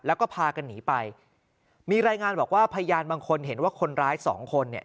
แล้วก็พากันหนีไปมีรายงานบอกว่าพยานบางคนเห็นว่าคนร้ายสองคนเนี่ย